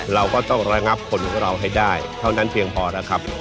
เราก็ต้องระงับคนของเราให้ได้เท่านั้นเพียงพอแล้วครับ